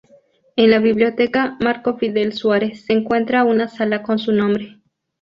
En la Biblioteca Marco Fidel Suárez se encuentra una sala con su nombre.